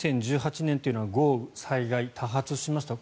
２０１８年というのは豪雨、災害が多発しました。